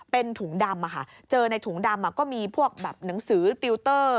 เป็นถุงดำเจอในถุงดำก็มีพวกแบบหนังสือติวเตอร์